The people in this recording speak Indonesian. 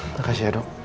makasih ya dok